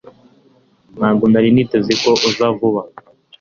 Ntabwo nari niteze ko uza vuba